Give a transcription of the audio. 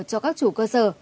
cho các chủ cơ sở